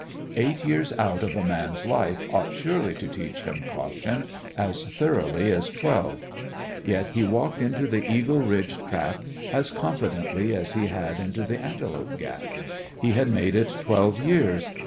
Eight years out of a man's life ought surely to teach him caution as thoroughly as twelve. Yet he walked into the Eagle Ridge trap as confidently as he had into the Antelope Gap. He had made it twelve years.